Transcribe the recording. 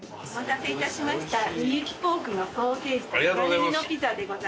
お待たせいたしました。